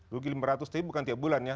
rugi lima ratus tapi bukan tiap bulan ya